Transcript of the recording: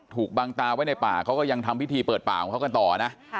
ถูกบังตาไว้ในป่าเขาก็ยังทำพิธีเปิดป่าของเขากันต่อนะ